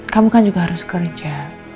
kamu kan juga harus kerja